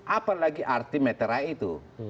apalagi arti metera itu